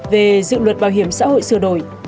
về dự luật bảo hiểm xã hội sửa đổi